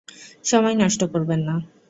সময় নষ্ট করবেন না।